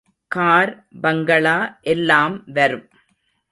Car, பங்களா எல்லாம் வரும்.